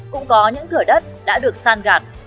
cũng có những thửa đất đã được san gạt